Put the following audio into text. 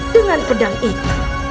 dengan pedang itu